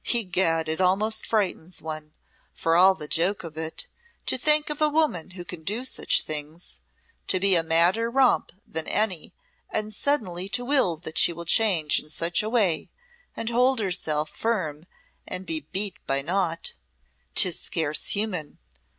Egad, it almost frightens one, for all the joke of it, to think of a woman who can do such things to be a madder romp than any and suddenly to will that she will change in such a way, and hold herself firm and be beat by naught. 'Tis scarce human.